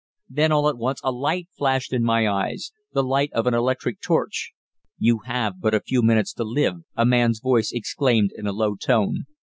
Then, all at once, a light flashed in my eyes the light of an electric torch. "You have but a few minutes to live," a man's voice exclaimed in a low tone.